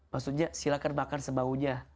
maksudnya silahkan makan sebaunya